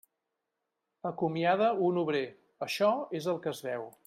Acomiada un obrer; això és el que es veu.